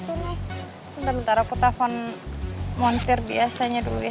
bentar bentar aku telepon montir biasanya dulu ya